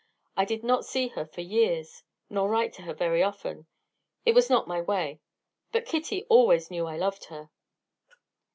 I did not see her for years, nor write to her often; it was not my way. But Kitty always knew I loved her."